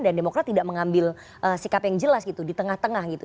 dan demokrat tidak mengambil sikap yang jelas gitu di tengah tengah gitu